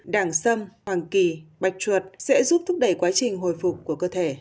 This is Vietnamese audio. đàng sâm hoàng kỳ bạch chuột sẽ giúp thúc đẩy quá trình hồi phục của cơ thể